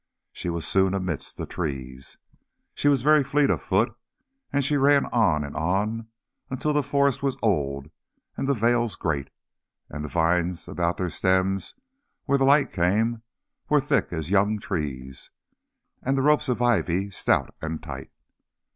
She was soon amidst the trees she was very fleet of foot, and she ran on and on until the forest was old and the vales great, and the vines about their stems where the light came were thick as young trees, and the ropes of ivy stout and tight.